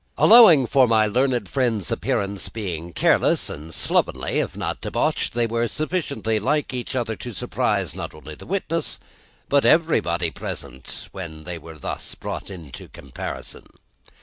Allowing for my learned friend's appearance being careless and slovenly if not debauched, they were sufficiently like each other to surprise, not only the witness, but everybody present, when they were thus brought into comparison.